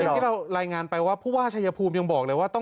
ที่เรารายงานไปว่าผู้ว่าชายภูมิยังบอกเลยว่า